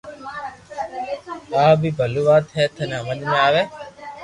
آ بي ڀلو وات ھي ٿني ھمج مي آوي